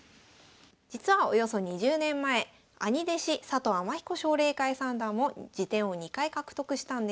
実はおよそ２０年前兄弟子佐藤天彦奨励会三段も次点を２回獲得したんです。